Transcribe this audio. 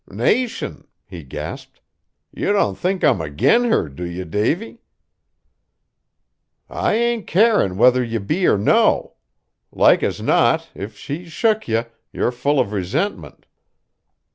"Nation!" he gasped, "you don't think I'm agin her, do you, Davy?" "I ain't carin' whether ye be or no. Like as not, if she's shook ye, yer full of resentment.